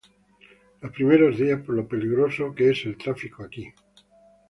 Los primeros días por lo peligroso que es el tráfico aquí.